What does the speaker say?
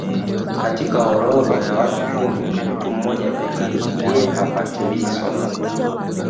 Katika kila orodha ya watu kumi mtu mmoja pekee ndiye hafuatilii soka